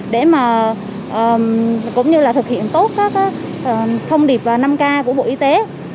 để mà cũng như là thực hiện tốt thông điệp năm k của bộ y tế